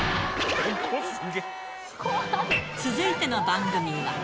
続いての番組は。